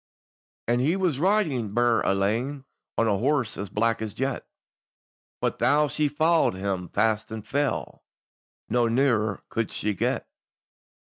And he was riding burd alane, On a horse as black as jet, But tho' she followed him fast and fell, No nearer could she get.